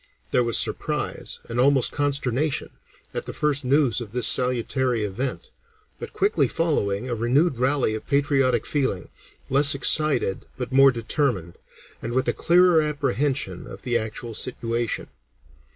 There was surprise, and almost consternation, at the first news of this salutary event, but quickly following, a renewed rally of patriotic feeling, less excited but more determined, and with a clearer apprehension of the actual situation.